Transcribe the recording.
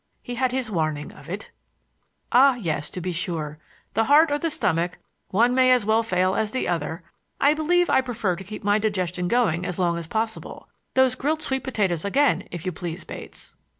He had his warning of it." "Ah, yes; to be sure. The heart or the stomach,—one may as well fail as the other. I believe I prefer to keep my digestion going as long as possible. Those grilled sweet potatoes again, if you please, Bates."